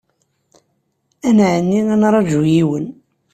Ad nɛenni ad nraju yiwen.